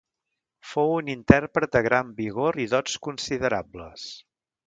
Fou un intèrpret de gran vigor i dots considerables.